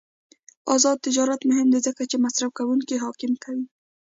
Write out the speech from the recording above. آزاد تجارت مهم دی ځکه چې مصرفکونکي حاکم کوي.